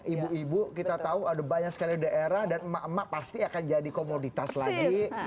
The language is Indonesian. ibu ibu kita tahu ada banyak sekali daerah dan emak emak pasti akan jadi komoditas lagi